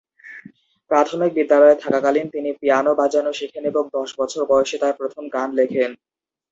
প্রাথমিক বিদ্যালয়ে থাকাকালীন তিনি পিয়ানো বাজানো শেখেন এবং দশ বছর বয়সে তার প্রথম গান লেখেন।